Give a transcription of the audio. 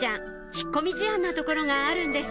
引っ込み思案なところがあるんです